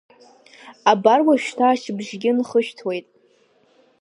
Абар уажәшьҭа ашьыбжьгьы нхышәҭуеит.